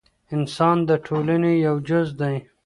انسان د ټولني یو جز دی.